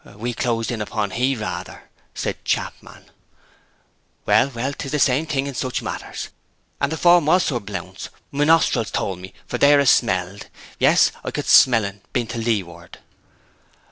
'We closed in upon he, rather,' said Chapman. 'Well, well; 'tis the same thing in such matters! And the form was Sir Blount's. My nostrils told me, for there, 'a smelled. Yes, I could smell'n, being to leeward.'